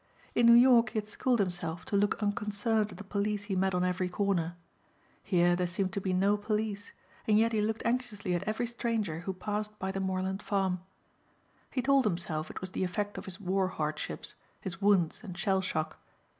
In New York he had schooled himself to look unconcerned at the police he met on every corner. Here there seemed to be no police and yet he looked anxiously at every stranger who passed by the moorland farm. He told himself it was the effect of his war hardships, his wounds and shell shock.